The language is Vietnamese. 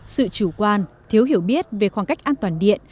sự chủ quan thiếu hiểu biết về khoảng cách an toàn điện